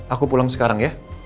aku pulang sekarang ya